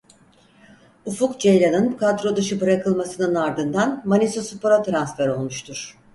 Ufuk Ceylan'nın kadro dışı bırakılmasının ardından Manisaspor'a transfer olmuştur.